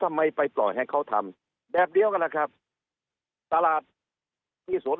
ทำไมไปปล่อยให้เขาทำแบบเดียวกันล่ะครับตลาดที่สวน